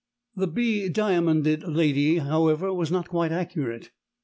The be diamonded lady, however, was not quite accurate.